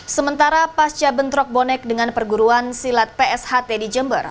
sementara pasca bentrok bonek dengan perguruan silat psht di jember